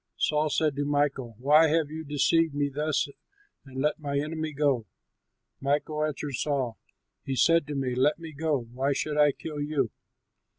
Saul said to Michal, "Why have you deceived me thus and let my enemy go?" Michal answered Saul, "He said to me: 'Let me go; why should I kill you?'"